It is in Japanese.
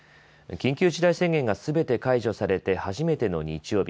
緊急事態宣言がすべて解除されて初めての日曜日。